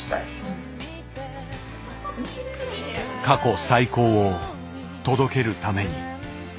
過去最高を届けるために。